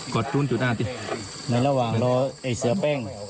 กดตูนจุดอาติในระหว่างรอเอ๋ยเสือแป้ง